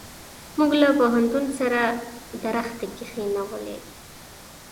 موږ له پوهنتون سره درختي کښېنولې.